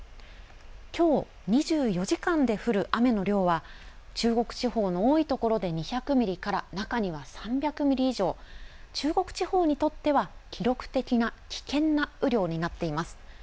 きょう２４時間で降る雨の量は中国地方の多い所で２００ミリから中には３００ミリ以上、中国地方にとっては記録的な危険な雨量になっています。